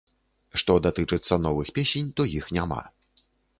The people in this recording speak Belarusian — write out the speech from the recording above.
Што датычыцца новых песень, то іх няма.